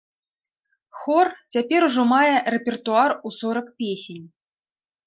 Хор цяпер ужо мае рэпертуар у сорак песень.